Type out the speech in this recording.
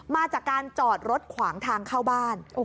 มาจากการจอดรถขวางทางเข้าบ้าน